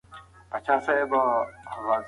کله ناکله زوړ ملګری نوم نه یادېږي.